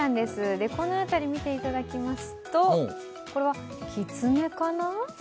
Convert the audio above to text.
この辺り、見ていただきますと、これはきつねかな？